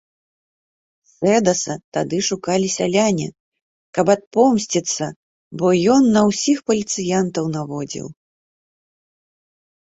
Сэдаса тады шукалі сяляне, каб адпомсціцца, бо ён на ўсіх паліцыянтаў наводзіў.